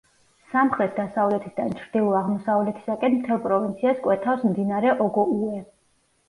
სამხრეთ-დასავლეთიდან ჩრდილო-აღმოსავლეთისაკენ მთელ პროვინციას კვეთავს მდინარე ოგოუე.